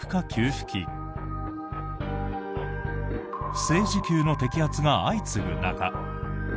不正受給の摘発が相次ぐ中。